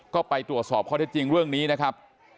ก็ไปตรวจสอบข้อเท็จจริงเรื่องนี้นะครับ